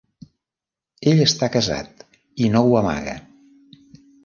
Ell està casat i no ho amaga.